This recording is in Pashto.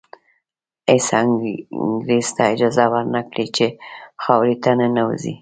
هېڅ انګریز ته اجازه ور نه کړي چې خاورې ته ننوځي.